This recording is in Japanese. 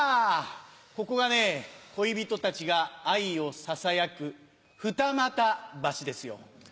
ここがね恋人たちが愛をささやく二俣橋ですよ。